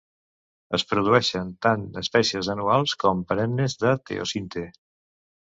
Es produeixen tant espècies anuals com perennes de teosinte.